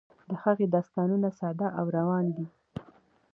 د هغه داستانونه ساده او روان دي.